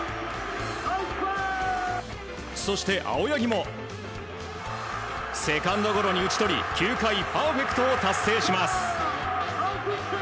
そして青柳もセカンドゴロに打ち取り９回パーフェクトを達成します。